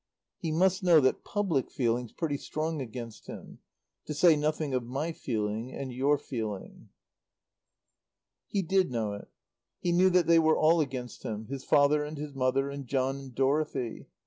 "He must know that public feeling's pretty strong against him. To say nothing of my feeling and your feeling." He did know it. He knew that they were all against him; his father and his mother, and John and Dorothy.